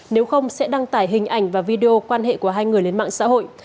nếu không sẽ đăng tải hình ảnh và video quan hệ của hai người lên mạng xã hội